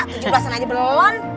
tujuh belasan aja belum